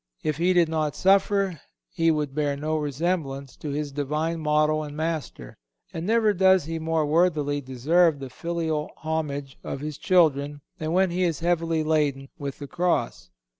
If he did not suffer, he would bear no resemblance to his Divine Model and Master; and never does he more worthily deserve the filial homage of his children than when he is heavily laden with the cross.